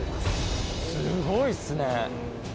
すごいっすね。